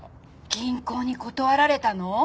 銀行に断られたの？